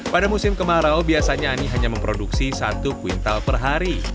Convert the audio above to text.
pada musim kemarau biasanya ani hanya memproduksi satu kuintal per hari